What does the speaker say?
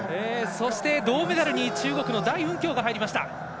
そして、銅メダルに中国の代雲強が入りました。